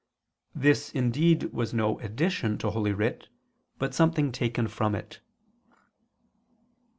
This indeed was no addition to Holy Writ, but something taken from it.